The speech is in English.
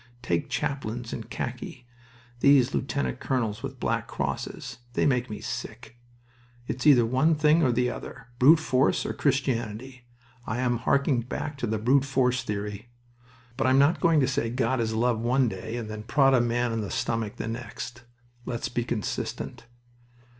Take chaplains in khaki these lieutenant colonels with black crosses. They make me sick. It's either one thing or the other. Brute force or Christianity. I am harking back to the brute force theory. But I'm not going to say 'God is love' one day and then prod a man in the stomach the next. Let's be consistent."